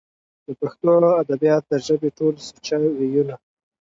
پښتو ادبيات د ژبې ټول سوچه وييونو